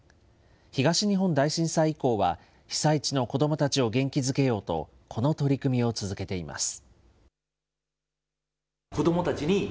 東日本大震災以降は、被災地の子どもたちを元気づけようと、この取り組みを続けています。